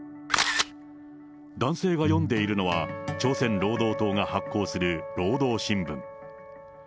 男性が読んでいるのは、朝鮮労働党が発行する労働新聞。